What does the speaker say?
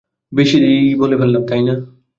বেশিই বলে ফেললাম, তাই না?